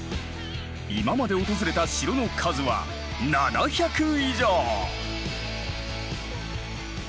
今まで訪れた城の数は７００以上！